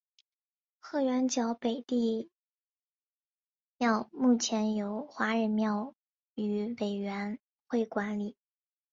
鹤园角北帝庙目前由华人庙宇委员会管理。